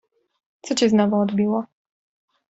Co ci znowu odbiło?